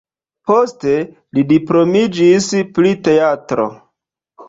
Poste li diplomiĝis pri teatro.